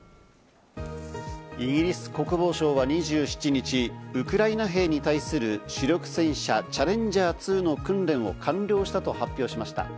イギリス国防省は２７日、ウクライナ兵に対する主力戦車「チャレンジャー２」の訓練を完了したと発表しました。